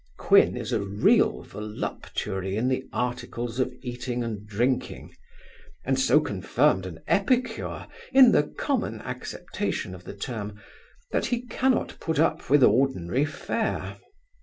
Quin is a real voluptuary in the articles of eating and drinking; and so confirmed an epicure, in the common acceptation of the term, that he cannot put up with ordinary fare.